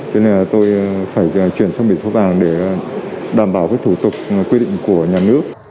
cho nên là tôi phải chuyển sang biển số vàng để đảm bảo thủ tục quy định của nhà nước